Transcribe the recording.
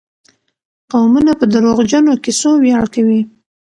قومونه په دروغجنو کيسو وياړ کوي.